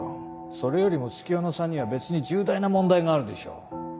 それよりも月夜野さんには別に重大な問題があるでしょう。